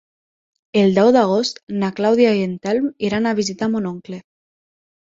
El deu d'agost na Clàudia i en Telm iran a visitar mon oncle.